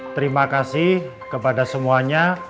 terima kasih kepada semuanya